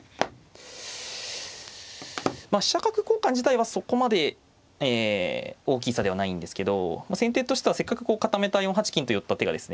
飛車角交換自体はそこまで大きい差ではないんですけど先手としてはせっかく固めた４八金と寄った手がですね